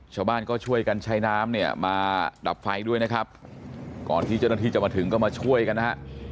ชาวบ้านก็ช่วยกันใช้น้ำเนี่ยมาดับไฟด้วยนะครับก่อนที่เจ้าหน้าที่จะมาถึงก็มาช่วยกันนะฮะ